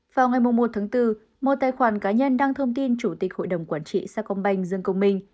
vào ngày một bốn một tài khoản cá nhân đăng thông tin chủ tịch hội đồng quản trị sa công banh dân công minh